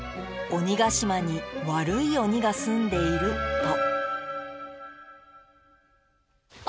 「『鬼ケ島に悪い鬼が住んでいる』と」。